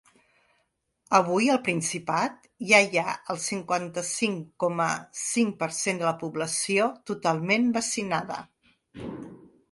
Avui al Principat ja hi ha el cinquanta-cinc coma cinc per cent de la població totalment vaccinada.